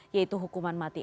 yaitu hukuman mati